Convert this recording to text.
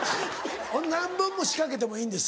何本も仕掛けてもいいんです。